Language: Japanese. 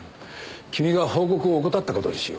君が報告を怠った事にしよう。